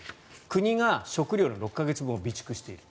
国が食料の６か月分を備蓄している。